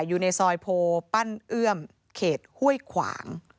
อยู่ในซอยโพปั้นเอื้อมเขตห้วยขวาง